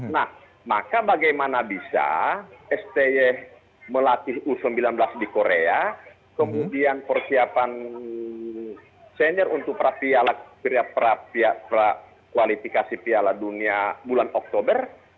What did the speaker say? nah maka bagaimana bisa sti melatih u sembilan belas di korea kemudian persiapan senior untuk prakualifikasi piala dunia bulan oktober